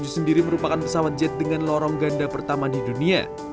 tujuh ratus empat puluh tujuh sendiri merupakan pesawat jet dengan lorong ganda pertama di dunia